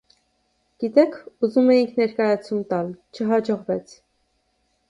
- Գիտեք, ուզում էինք ներկայացում տալ, չհաջողվեց: